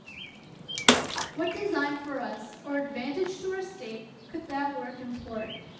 What design for us, or advantage to our State, could that work import?